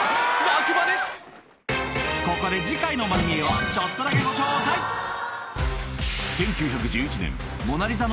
ここで次回の『まる見え！』をちょっとだけご紹介え！